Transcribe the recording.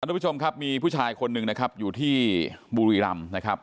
ทุกผู้ชมครับมีผู้ชายคนหนึ่งนะครับอยู่ที่บุรีรำนะครับ